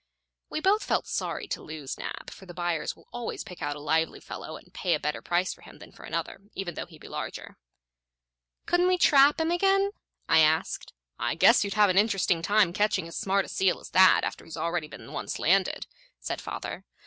We both felt sorry to lose Nab, for the buyers will always pick out a lively fellow and pay a better price for him than for another, even though he be larger. "Couldn't we trap him again?" I asked. "I guess you'd have an interesting time catching as smart a seal as that after he's already been once landed," said father.